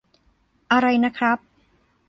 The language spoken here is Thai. อะไรนะครับ